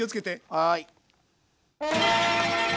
はい。